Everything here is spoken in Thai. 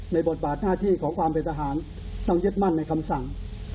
บทบาทหน้าที่ของความเป็นทหารต้องยึดมั่นในคำสั่ง